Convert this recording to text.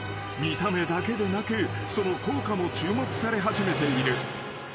［見た目だけでなくその効果も注目され始めている］